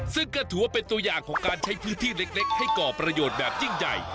ซึ่งก็ถือว่าเป็นตัวอย่างของการใช้พื้นที่เล็กให้ก่อประโยชน์แบบยิ่งใหญ่